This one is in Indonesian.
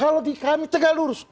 kalau kami tegak lurus